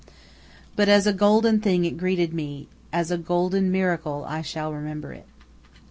But as a golden thing it greeted me, as a golden miracle I shall remember it.